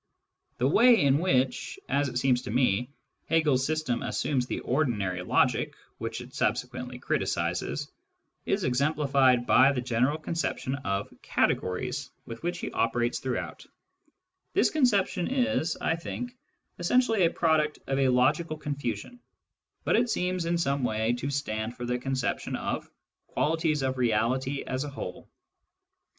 The way in which, as it seems to me, Hegel's system assumes the ordinary logic which it subsequently criticises, is exemplified by the general conception of " categories " with which he operates throughout. This conception is, Digitized by Google ^\ LOGIC AS THE ESSENCE OF PHILOSOPHY 39 I think, essentially a product of logical confusion, but it seems in some way to stand for the conception of "qualities of Reality as a whole."